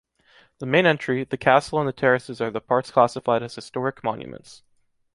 The main entry, the castle and the terraces are the parts classified as historic monuments.